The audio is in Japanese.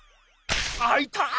あいたっ！